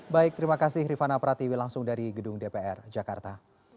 baik terima kasih rifana pratiwi langsung dari gedung dpr jakarta